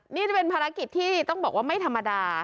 นี่จะเป็นภารกิจที่ต้องบอกว่าไม่ธรรมดา